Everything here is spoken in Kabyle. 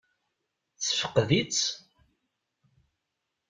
Tessefqed-itt?